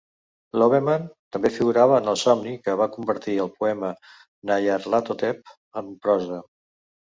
Loveman també figurava en el somni que va convertir el poema Nyarlathotep en prosa.